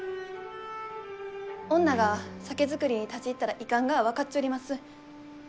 女が酒造りに立ち入ったらいかんがは分かっちょります。